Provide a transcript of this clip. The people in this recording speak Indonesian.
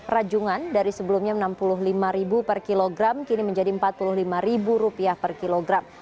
rajungan dari sebelumnya rp enam puluh lima per kilogram kini menjadi rp empat puluh lima per kilogram